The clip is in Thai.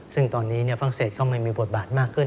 ซึ่งตอนนี้ฟังเศษเข้ามยมมีบทบาทมากขึ้น